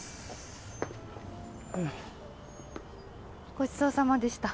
ごちそうさまでした。